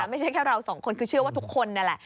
ไม่ใช่แค่เราสองคนคือเชื่อว่าทุกคนนั่นแหละ